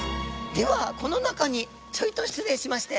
ではこの中にちょいと失礼しまして。